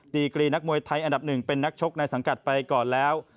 ดีกรีนักมวยไทยอันดับหนึ่งเป็นนักชกในสังกัดไปก่อนแล้ว